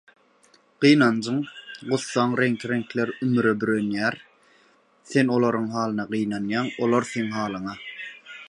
Gynanjyň, gussaň reňki – reňkler ümüre bürenýär, sen olaryň halyna gynanýaň, olar seň halyňa.